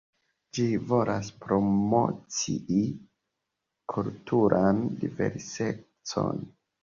Ĝi volas promocii kulturan diversecon.